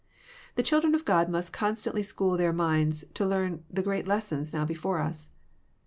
The chilrden of God must constantly school their minds to learn the great lesson now before us.